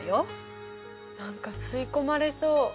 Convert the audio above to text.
何か吸い込まれそう。